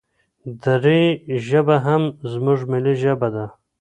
دري ژبه هم زموږ ملي ژبه ده.